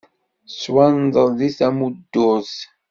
Tettwamḍel d tamuddurt.